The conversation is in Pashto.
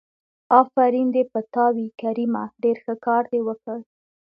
آفرين دې په تا وي کريمه ډېر ښه کار دې وکړ.